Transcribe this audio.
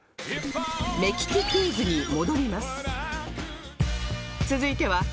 目利きクイズに戻ります